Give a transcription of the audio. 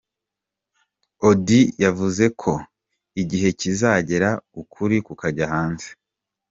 Auddy yavuze ko igihe kizagera ukuri kukajya hanze.